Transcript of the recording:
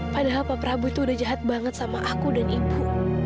padahal pak prabu itu udah jahat banget sama aku dan ibu